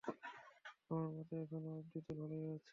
আমার মতে এখনো অব্ধি তো ভালোই যাচ্ছে।